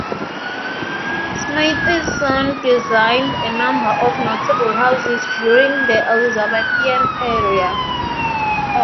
Smythson designed a number of notable houses during the Elizabethan era.